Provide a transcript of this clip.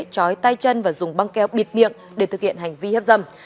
chói tay chân và dùng băng keo bịt miệng để thực hiện hành vi hiếp dâm